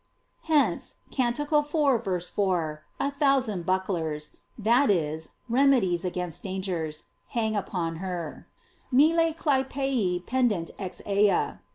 Hence, cant. 4, v. 4 a thousand bucklers — that is, remedies against dangers — hang upon her' "Mille clypei pendent ex ea."